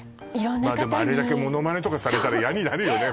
でもあれだけものまねとかされたら嫌になるよね